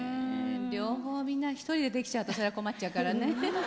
両方みんな１人でできちゃうとそれは困っちゃうからね。